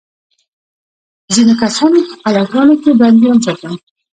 ځینو کسانو په قلعه ګانو کې بندیان ساتل.